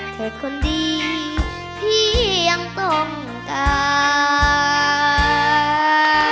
แค่คนดีพี่ยังต้องการ